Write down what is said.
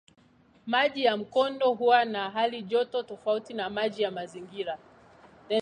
Maji ya mkondo huwa na halijoto tofauti na maji ya mazingira.